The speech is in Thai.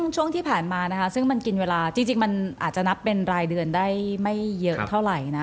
ช่วงที่ผ่านมานะคะซึ่งมันกินเวลาจริงมันอาจจะนับเป็นรายเดือนได้ไม่เยอะเท่าไหร่นะ